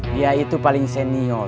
dia itu paling senior